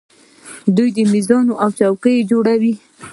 دوی میزونه او څوکۍ جوړوي.